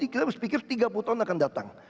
kita harus pikir tiga puluh tahun akan datang